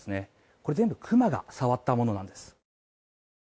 これ、全部、熊が触ったものなんです。